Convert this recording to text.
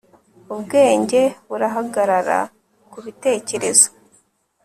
Ubwenge burahagarara kubitekerezo